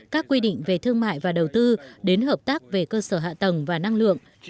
các quy định về thương mại và đầu tư đến hợp tác về cơ sở hạ tầng và năng lượng